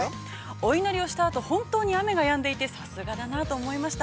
お祈りをしたあと本当に雨がやんでいて、さすがだなと思いました。